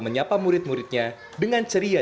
menyapa murid muridnya dengan ceria